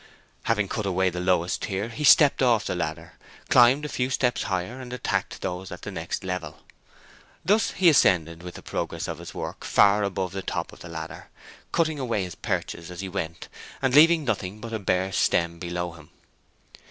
Having cut away the lowest tier, he stepped off the ladder, climbed a few steps higher, and attacked those at the next level. Thus he ascended with the progress of his work far above the top of the ladder, cutting away his perches as he went, and leaving nothing but a bare stem below him.